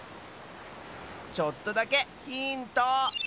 ちょっとだけヒント！